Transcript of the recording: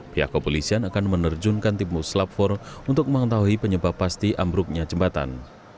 pihak kepolisian akan menerjunkan timus lap empat untuk mengetahui penyebab pasti ambruknya jembatan